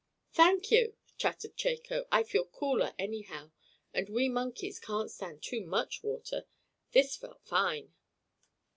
"Thank you!" chattered Chako. "I feel cooler, anyhow. And we monkeys can't stand too much water. This felt fine!"